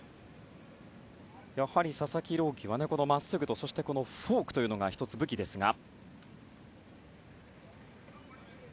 やはり佐々木朗希はまっすぐとフォークが１つ、武器ですが。